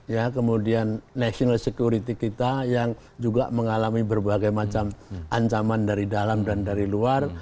ya kemudian national security kita yang juga mengalami berbagai macam ancaman dari dalam dan dari luar